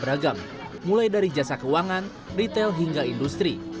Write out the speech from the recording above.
beragam mulai dari jasa keuangan retail hingga industri